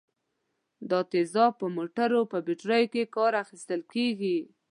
دا تیزاب په موټرو په بټریو کې کار اخیستل کیږي.